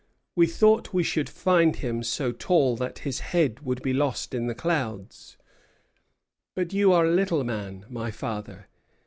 We thought we should find him so tall that his head would be lost in the clouds. But you are a little man, my Father.